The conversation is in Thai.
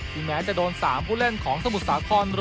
แม้จะโดน๓ผู้เล่นของสมุทรสาคร